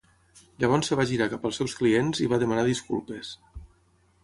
"Llavors es va girar cap als seus clients i va demanar disculpes."